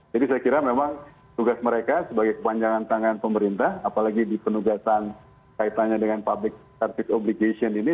jadi saya kira memang tugas mereka sebagai kepanjangan tangan pemerintah apalagi di penugasan kaitannya dengan public service obligation ini